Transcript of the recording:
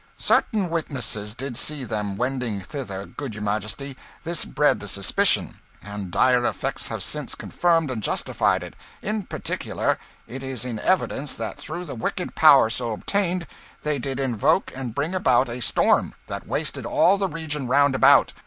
"Certain witness did see them wending thither, good your Majesty; this bred the suspicion, and dire effects have since confirmed and justified it. In particular, it is in evidence that through the wicked power so obtained, they did invoke and bring about a storm that wasted all the region round about.